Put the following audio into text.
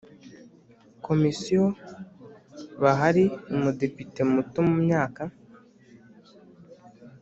Komisiyo bahari Umudepite muto mu myaka